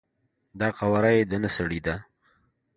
دا قواره یی د نه سړی ده،